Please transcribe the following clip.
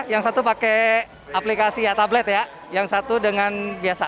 yang satu pakai aplikasi ya tablet ya yang satu dengan biasa